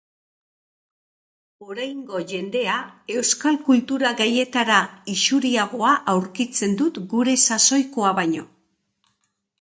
Oraingo jendea euskal kultura gaietara isuriagoa aurkitzen dut gure sasoikoa baino.